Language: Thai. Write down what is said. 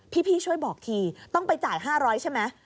พี่ช่วยบอกทีต้องไปจ่าย๕๐๐ใช่ไหม